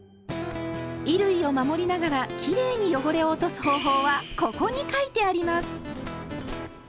衣類を守りながらきれいに汚れを落とす方法は「ここ」に書いてあります！